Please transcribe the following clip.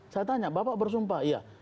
saya tanya bapak bersumpah